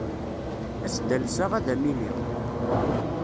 Ad s-d-alseɣ, ad am-iniɣ.